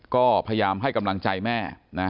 ก็พยายามให้กำลังใจแม่นะ